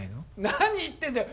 何言ってんだよ